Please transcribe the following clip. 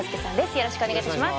よろしくお願いします